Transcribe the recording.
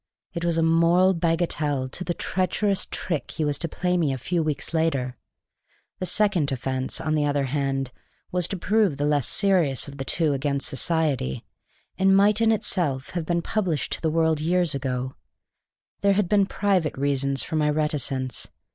It was a moral bagatelle to the treacherous trick he was to play me a few weeks later. The second offence, on the other hand, was to prove the less serious of the two against society, and might in itself have been published to the world years ago. There have been private reasons for my reticence.